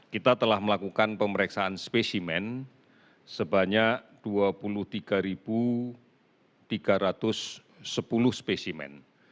kita telah melakukan pemeriksaan spesimen sebanyak dua puluh tiga tiga ratus sepuluh spesimen